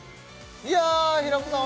いやあ平子さん